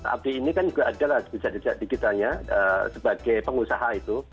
abdi ini kan juga adalah bisa jejak digitalnya sebagai pengusaha itu